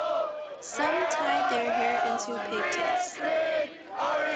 Some tie their hair into pigtails.